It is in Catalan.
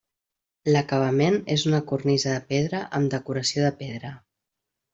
L'acabament és una cornisa de pedra amb decoració de pedra.